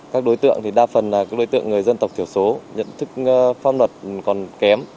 các đối tượng thì đa phần là đối tượng người dân tộc thiểu số nhận thức pháp luật còn kém